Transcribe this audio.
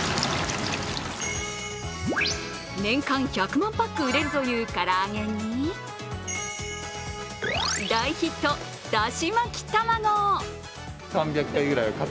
年間１００万パック売れるという唐揚げに大ヒット、だし巻き玉子。